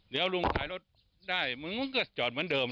เดี๋ยวลุงขายรถได้มึงมึงก็จอดเหมือนเดิม